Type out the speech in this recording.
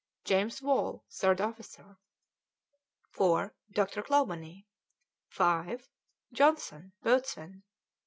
James Wall, third officer; 4. Dr. Clawbonny; 5. Johnson, boatswain; 6.